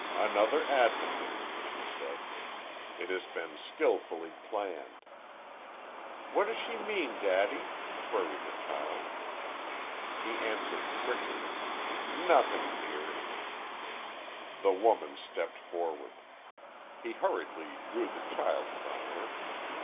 "Another advocate!" she said. "It has been skilfully planned." "What does she mean, daddy?" queried the child. He answered, quickly: "Nothing, dearie." The woman stepped forward. He hurriedly drew the child from her....